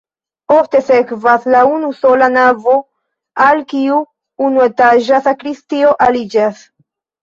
Poste sekvas la unusola navo, al kiu unuetaĝa sakristio aliĝas.